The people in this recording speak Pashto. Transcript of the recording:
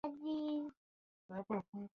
په کودتا یې لاس پورې کړ.